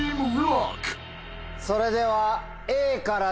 それでは。